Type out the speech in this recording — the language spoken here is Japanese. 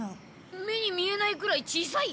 目に見えないくらい小さい？